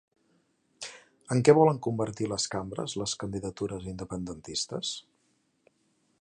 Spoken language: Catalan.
En què volen convertir les cambres les candidatures independentistes?